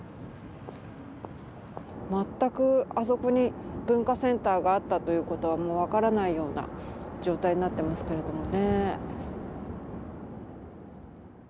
全くあそこに文化センターがあったということはもう分からないような状態になってますけれどもね。